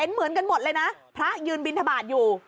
เหมือนกันหมดเลยนะพระยืนบินทบาทอยู่